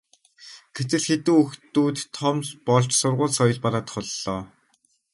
гэтэл хэдэн хүүхдүүд том болж сургууль соёл бараадах боллоо.